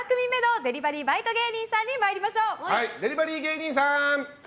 デリバリー芸人さん！